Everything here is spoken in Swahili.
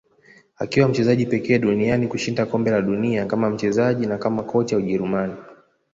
Akiwa mchezaji pekee duniani kushinda kombe la dunia kama mchezaji na kama kocha Ujerumani